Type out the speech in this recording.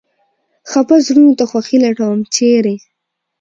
خپه زړونو ته خوښي لټوم ، چېرې ؟